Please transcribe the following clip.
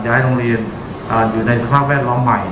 ให้โรงเรียนอยู่ในสภาพแวดล้อมใหม่